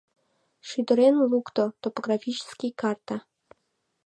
Шӱдырен лукто: топографический карта.